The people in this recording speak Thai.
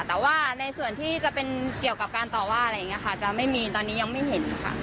แต่ว่าในส่วนที่จะเป็นเกี่ยวกับการต่อว่าอะไรอย่างนี้ค่ะจะไม่มีตอนนี้ยังไม่เห็นค่ะ